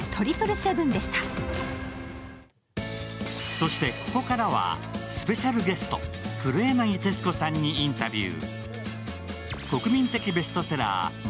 そして、ここはスペシャルゲスト黒柳徹子さんにインタビュー。